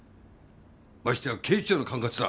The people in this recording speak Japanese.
ましてや警視庁の管轄だ。